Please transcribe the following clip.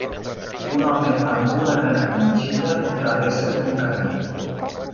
Un home amb una nena amb motxilla travessen un carrer.